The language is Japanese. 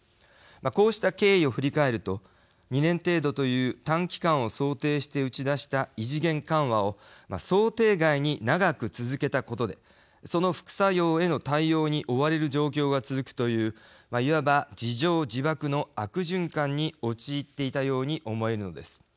こうした経緯を振り返ると２年程度という短期間を想定して打ち出した異次元緩和を想定外に長く続けたことでその副作用への対応に追われる状況が続くといういわば、自縄自縛の悪循環に陥っていたように思えるのです。